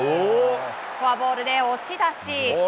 フォアボールで押し出し。